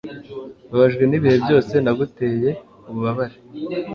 Mbabajwe nibihe byose naguteye ububabare